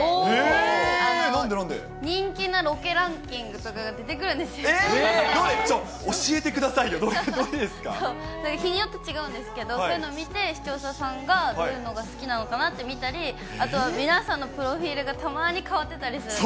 人気なロケランキングとかがえー、教えてくださいよ、日によって違うんですけど、そういうの見て、視聴者さんがどういうのが好きなのかなって見たり、あとは皆さんのプロフィールがたまに変わってたりするんで。